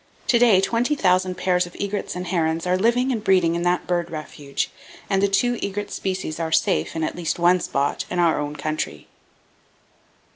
To day 20,000 pairs of egrets and herons are living and breeding in that bird refuge, and the two egret species are safe in at least one spot in our own country.